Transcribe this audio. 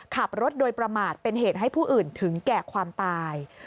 ขับรถโดยประมาทเป็นเหตุให้ผู้อื่นถึงแก่ความตาย